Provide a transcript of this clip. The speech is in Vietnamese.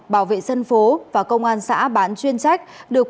bảo vệ dân phố và công an xã bán chuyên trách